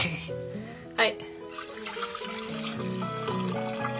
はい。